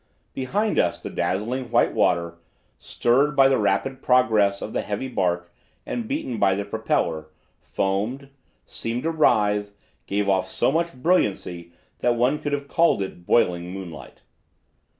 Behind us the dazzling white water, stirred by the rapid progress of the heavy bark and beaten by the propeller, foamed, seemed to writhe, gave off so much brilliancy that one could have called it boiling moonlight.